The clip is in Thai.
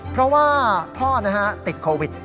เพราะว่าพ่อติดโควิด